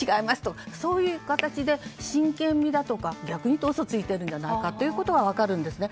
そういう形で真剣味だとか逆に言うと嘘をついているんじゃないかとかは分かるんですね。